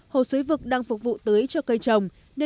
hồ suối vực đang phục vụ tưới cho cây trồng